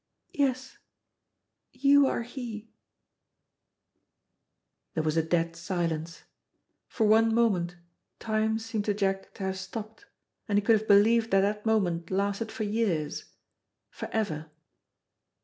"Yes, you are he." There was a dead silence. For one moment time seemed to Jack to have stopped, and he could have believed that that moment lasted for years for ever.